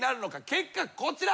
結果こちら。